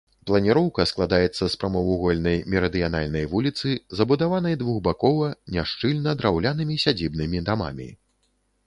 Планіроўка складаецца з прамавугольнай мерыдыянальнай вуліцы, забудаванай двухбакова, няшчыльна драўлянымі сядзібнымі дамамі.